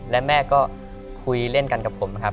และแม่ก็คุยเล่นกันกับผมนะครับ